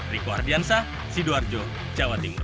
riko ardiansah sidoarjo jawa timur